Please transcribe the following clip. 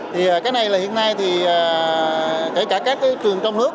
thì cái này là hiện nay thì kể cả các trường trong nước